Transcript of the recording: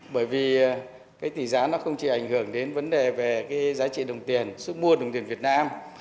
bởi vì tỷ giá không chỉ ảnh hưởng đến vấn đề về giá trị đồng tiền sức mua đồng tiền việt nam